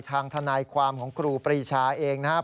ทนายความของครูปรีชาเองนะครับ